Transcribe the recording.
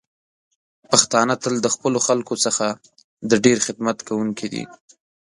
پښتانه تل د خپلو خلکو څخه د ډیر خدمت کوونکی دی.